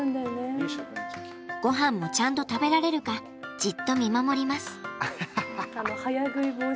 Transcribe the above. ごはんもちゃんと食べられるかじっと見守ります。